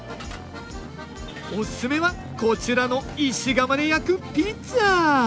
おすすめはこちらの石窯で焼くピザ！